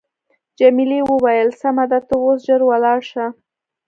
جميلې وويل: سمه ده ته اوس ژر ولاړ شه.